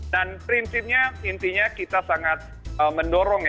dan prinsipnya intinya kita sangat mendorong ya